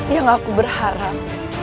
yang aku berharap